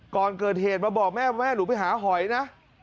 ก่อนเกิดเหตุมาบอกแม่ว่าหนูไปหาหอยนะ